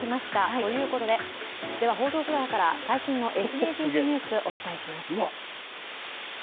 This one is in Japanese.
ということで、報道フロアから最新のＳＤＧｓニュース、お伝えします